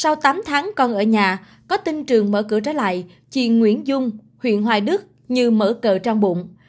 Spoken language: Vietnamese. sau tám tháng con ở nhà có tin trường mở cửa trở lại chị nguyễn dung huyện hoài đức như mở cờ trang bụng